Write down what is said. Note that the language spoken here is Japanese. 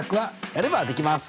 やればできます！